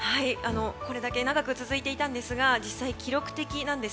これだけ長く続いていたんですが実際、記録的です。